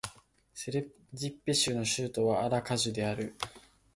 セルジッペ州の州都はアラカジュである